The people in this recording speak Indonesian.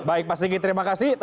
baik pak sigi terima kasih